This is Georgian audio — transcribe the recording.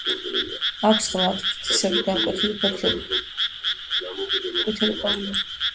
აქვს ღრმად, ფრთისებრ განკვეთილი ფოთლები და ქოლგისებრ ყვავილედებად შეკრებილი ყვითელი ყვავილები.